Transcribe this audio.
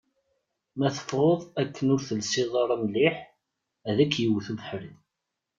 Ma teffɣeḍ akken ur telsiḍ ara mliḥ, ad k-iwet ubeḥri.